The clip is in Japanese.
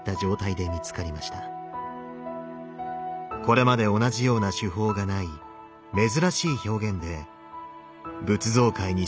これまで同じような手法がない珍しい表現で仏像界に衝撃を与えました。